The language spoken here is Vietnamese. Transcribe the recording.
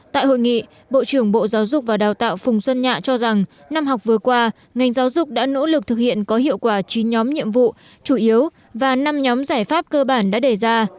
tại hội nghị bộ trưởng bộ giáo dục và đào tạo phùng xuân nhạ cho rằng năm học vừa qua ngành giáo dục đã nỗ lực thực hiện có hiệu quả chín nhóm nhiệm vụ chủ yếu và năm nhóm giải pháp cơ bản đã đề ra